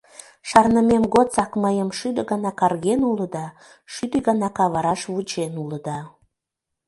Шарнымем годсак мыйым шӱдӧ гана карген улыда; шӱдӧ гана кавараш вучен улыда...